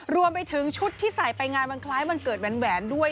รวมไปถึงชุดที่ใส่ไปงานมันคล้ายวันเกิดแหวนด้วย